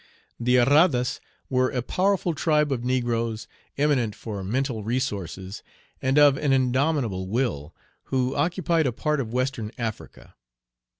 The Arradas were a powerful tribe of negroes, eminent for mental resources, and of an indomitable will, who occupied a part of Western Africa.